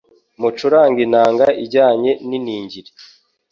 mucurange inanga ijyane n’iningiri